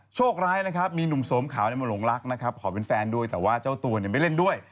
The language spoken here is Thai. โชคร้ายนะครับมีหนุ่มโสมขาวมาหลงรักนะครับขอเป็นแฟนด้วยแต่ว่าเจ้าตัวเนี่ยไม่เล่นด้วย